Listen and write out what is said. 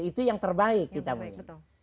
itu yang terbaik kita begitu